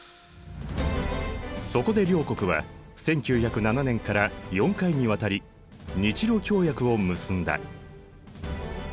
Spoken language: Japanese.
そこで両国は１９０７年から４回にわたり日露協約を結んだ。